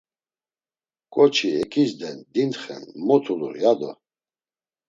Ǩoçi eǩizden, dintxen, mot ulur ya do.